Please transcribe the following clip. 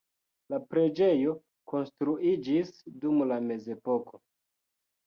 La preĝejo konstruiĝis dum la mezepoko.